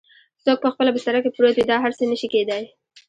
څوک په خپله بستره کې پروت وي دا هر څه نه شي کیدای؟